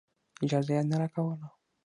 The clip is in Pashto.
اجازه یې نه راکوله.